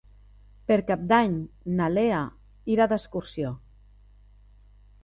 Per Cap d'Any na Lea irà d'excursió.